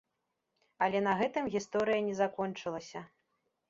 Але на гэтым гісторыя не закончылася.